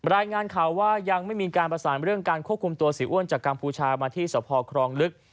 รายงานข่าวว่ายังไม่มีการประสานเรื่องการควบคุมตัวเสียอ้วนจากกัมพูชามาที่สภครองลึก